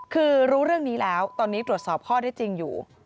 คือรู้เรื่องนี้แล้วตอนนี้ตรวจสอบข้อได้จริงอยู่